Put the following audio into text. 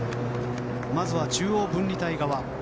まずは中央分離帯側。